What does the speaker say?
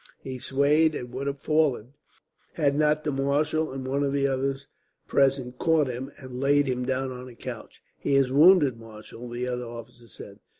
He swayed and would have fallen, had not the marshal and one of the others present caught him, and laid him down on a couch. "He is wounded, marshal," the other officer said.